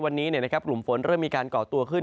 วันนี้กลุ่มฝนเริ่มมีการก่อตัวขึ้น